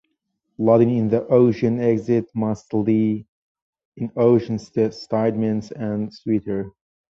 Iodine in the ocean exists mostly in oceanic sediments and seawater.